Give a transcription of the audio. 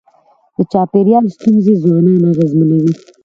د چاپېریال ستونزي ځوانان اغېزمنوي.